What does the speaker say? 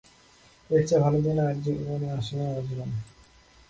এর চেয়ে ভালো দিন আর আসেনি আমার জীবনে!